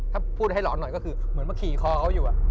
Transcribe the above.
ถ้าพูดให้หลอนหน่อยก็คือเหมือนมาขี่คอเขาอยู่